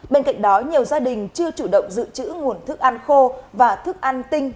bên cạnh đó nhiều gia đình chưa chủ động giữ chữ nguồn thức ăn khô và thức ăn tinh